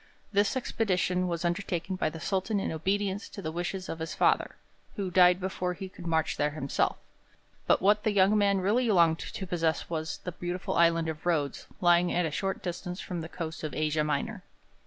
This expedition was undertaken by the Sultan in obedience to the wishes of his father, who died before he could march there himself; but what the young man really longed to possess was the beautiful Island of Rhodes lying at a short distance from the coast of Asia Minor.